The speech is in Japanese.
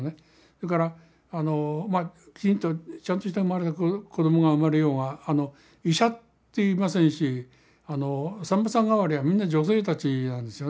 それからまあきちんとちゃんとした子供が生まれようが医者っていませんし産婆さん代わりはみんな女性たちなんですよね。